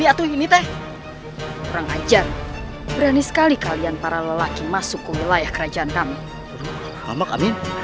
ini teh orang ajar berani sekali kalian para lelaki masuk ke wilayah kerajaan kami